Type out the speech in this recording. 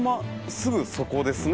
すぐそこですね。